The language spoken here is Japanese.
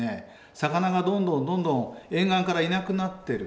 魚がどんどんどんどん沿岸からいなくなってる。